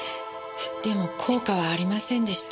でも効果はありませんでした。